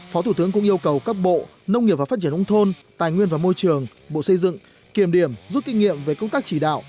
phó thủ tướng cũng yêu cầu các bộ nông nghiệp và phát triển nông thôn tài nguyên và môi trường bộ xây dựng kiềm điểm rút kinh nghiệm về công tác chỉ đạo